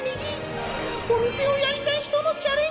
お店をやりたい人のチャレンジショップ！